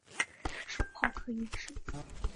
手炮可以指